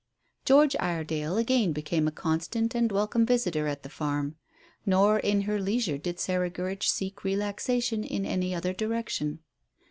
George Iredale again became a constant and welcome visitor at the farm, nor in her leisure did Sarah Gurridge seek relaxation in any other direction.